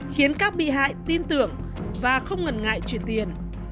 khiến các bị hại tin tưởng và không ngần ngại chuyển tiền